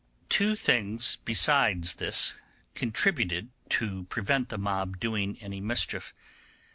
Two things besides this contributed to prevent the mob doing any mischief.